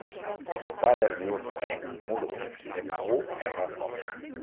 El meu pare es diu Noè Muro: ema, u, erra, o.